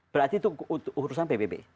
berarti itu urusan pbb